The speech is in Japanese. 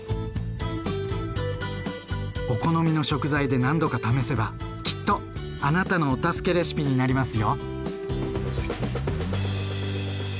お好みの食材で何度か試せばきっとあなたのお助けレシピになりますよ。